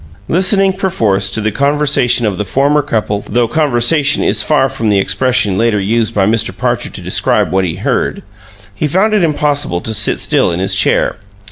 Listening perforce to the conversation of the former couple though "conversation" is far from the expression later used by Mr. Parcher to describe what he heard he found it impossible to sit still in his chair.